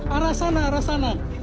arah sana arah sana